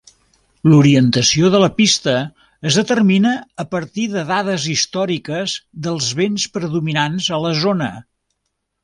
L'orientació de la pista es determina a partir de dades històriques dels vents predominants a la zona.